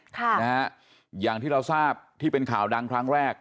ค่ะนะฮะอย่างที่เราทราบที่เป็นข่าวดังครั้งแรก